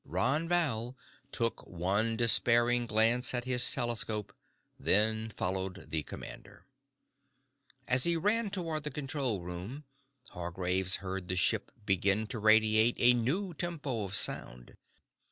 Ron Val took one despairing glance at his telescope, then followed the commander. As he ran toward the control room, Hargraves heard the ship begin to radiate a new tempo of sound.